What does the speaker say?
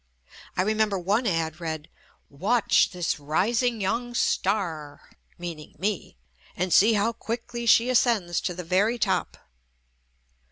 I remember one ad read " WATCH THIS RISING YOUNG STAR (meaning me) AND SEE HOW QUICKLY SHE ASCENDS TO THE VERY TOP."